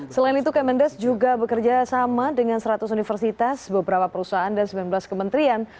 selain itu kemendes juga bekerja sama dengan seratus universitas beberapa perusahaan dan sembilan belas kementerian